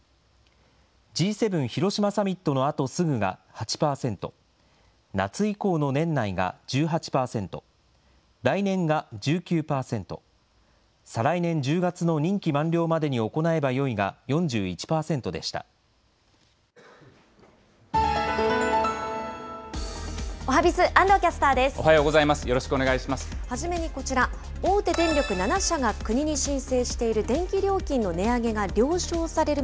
Ｇ７広島サミットのあとすぐが８％、夏以降の年内が１８％、来年が１９％、再来年１０月の任期満了までに行えばよいが４１％でしおはＢｉｚ、安藤キャスターおはようございます、よろし初めにこちら、大手電力７社が国に申請している電気料金の値上げが了承される